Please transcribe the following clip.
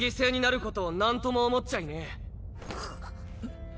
ん。